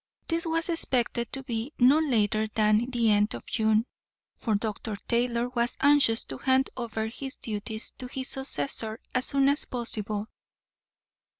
This was expected to be not later than the end of June, for Dr. Taylor was anxious to hand over his duties to his successor as soon as possible.